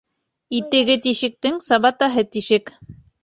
Итеге тишектең сабатаһы тишек.